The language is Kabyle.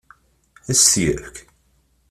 Ad as-t-yefk?